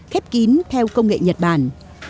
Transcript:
khép kín theo công nghệ nhật bản